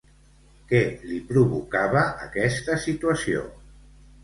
Què li provocava aquesta situació?